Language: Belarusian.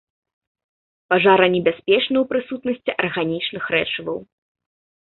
Пажаранебяспечны ў прысутнасці арганічных рэчываў.